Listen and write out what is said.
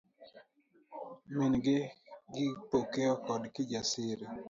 Min gi, Kipokeo koda Kijasiri.